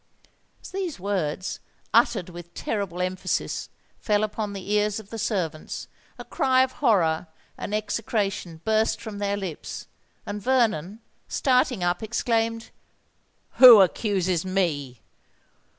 As these words, uttered with terrible emphasis, fell upon the ears of the servants, a cry of horror and execration burst from their lips; and Vernon, starting up, exclaimed, "Who accuses me?